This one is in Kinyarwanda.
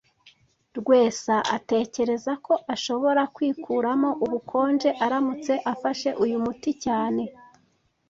Rwesa atekereza ko ashobora kwikuramo ubukonje aramutse afashe uyu muti cyane